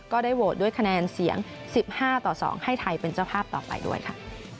ก็ได้โหวตด้วยคะแนนเสียง๑๕ต่อ๒ให้ไทยเป็นเจ้าภาพต่อไปด้วยค่ะ